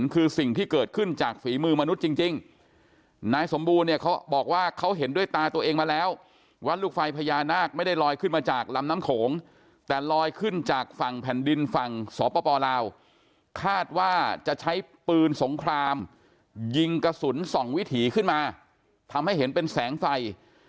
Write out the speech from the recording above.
คือสิ่งที่เกิดขึ้นจากฝีมือมนุษย์จริงนายสมบูรณ์เนี่ยเขาบอกว่าเขาเห็นด้วยตาตัวเองมาแล้วว่าลูกไฟพญานาคไม่ได้ลอยขึ้นมาจากลำน้ำโขงแต่ลอยขึ้นจากฝั่งแผ่นดินฝั่งสปลาวคาดว่าจะใช้ปืนสงครามยิงกระสุนส่องวิถีขึ้นมาทำให้เห็นเป็นแสงไฟ